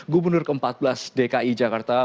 gubernur ke empat belas dki jakarta